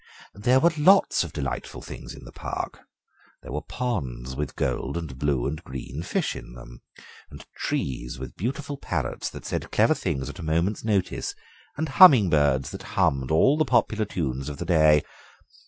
"There were lots of other delightful things in the park. There were ponds with gold and blue and green fish in them, and trees with beautiful parrots that said clever things at a moment's notice, and humming birds that hummed all the popular tunes of the day.